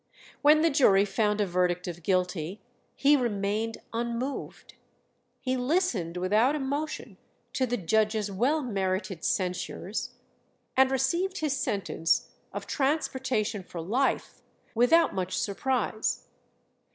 When the jury found a verdict of guilty he remained unmoved. He listened without emotion to the judge's well merited censures, and received his sentence of transportation for life without much surprise.